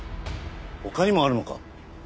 他にもあるのか？